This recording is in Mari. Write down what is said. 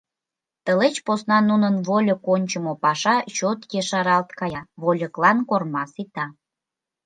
Тылеч посна нунын вольык ончымо паша чот ешаралт кая, вольыклан корма сита.